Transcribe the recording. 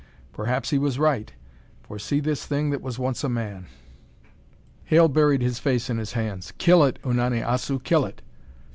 Perhaps he was right, for see this thing that was once a man!" Hale buried his face in his hands. "Kill it, Unani Assu! Kill it!"